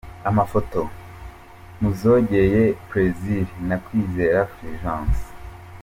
Amafoto: Muzogeye Plaisir na Kwizera Fulgence.